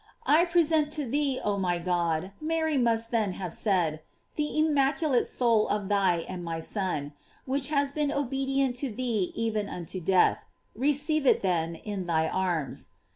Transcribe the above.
I pre sent thee, oh my God, Mary must then have said, the immaculate soul of thy and my Son, which has been obedient to thee even unto death : receive it, then, in thy arms.